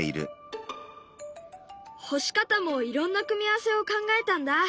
干し方もいろんな組み合わせを考えたんだ。